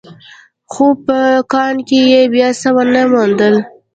خو په کان کې يې بيا څه ونه موندل.